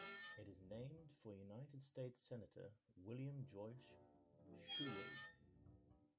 It is named for United States Senator William Joyce Sewell.